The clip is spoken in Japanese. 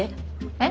えっ？